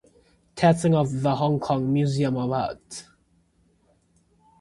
Tsang of the Hong Kong Museum of Art.